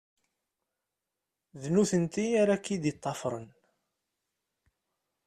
D nutenti ara ak-id-ṭṭafern.